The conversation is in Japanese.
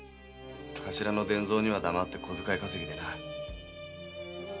頭の伝蔵には黙って小遣い稼ぎでな。